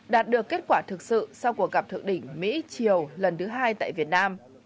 đạt được kết quả thực sự sau cuộc gặp thượng đỉnh mỹ chiều lần thứ hai tại việt nam